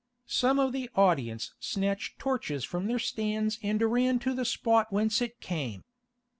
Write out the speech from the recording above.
Some of the audience snatched torches from their stands and ran to the spot whence it came.